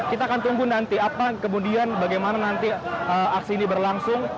kita akan tunggu nanti apa kemudian bagaimana nanti aksi ini berlangsung